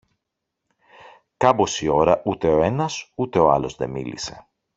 Κάμποση ώρα ούτε ο ένας ούτε ο άλλος δε μίλησε.